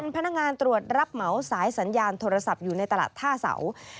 พนักงานตรวจรับเหมาสายสัญญาณโทรศัพท์อยู่ในตลาดท่าเสา